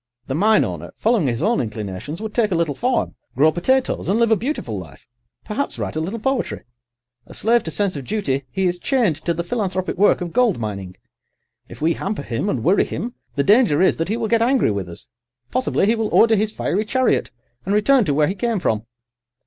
"The mine owner, following his own inclinations, would take a little farm, grow potatoes, and live a beautiful life—perhaps write a little poetry. A slave to sense of duty, he is chained to the philanthropic work of gold mining. If we hamper him and worry him the danger is that he will get angry with us—possibly he will order his fiery chariot and return to where he came from."